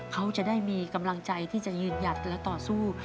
เขาจะได้มีกำลังใจที่จะยืนหยัดและต่อสู้